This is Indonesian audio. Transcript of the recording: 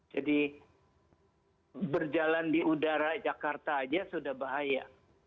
jadi berjalan di udara jakarta aja sudah bahaya